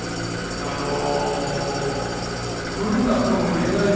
あの来るなとも言えないんですけど